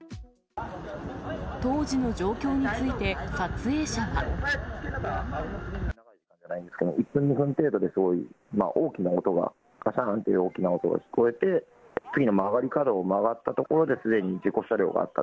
当時の状況について、撮影者は。１分、２分程度で、すごい大きな音が、がしゃーんっていう大きな音が聞こえて、次の曲がり角を曲がったところで、すでに事故車両があった。